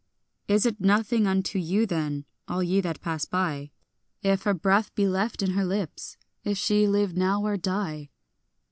Is it nothing unto you then, all ye that pass by, If her breath be left in her lips, if she live now or die?